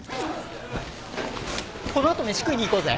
この後飯食いに行こうぜ。